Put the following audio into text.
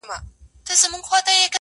د زمانې په افسانو کي اوسېدلی چنار!